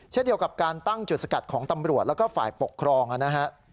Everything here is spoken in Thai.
เช่นเดียวกับการตั้งจุดสกัดของตำรวจแล้วก็ฝ่ายปกครองนะฮะ